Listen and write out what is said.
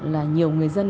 là nhiều người dân